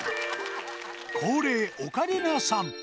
恒例オカリナ散歩